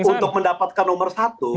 untuk mendapatkan nomor satu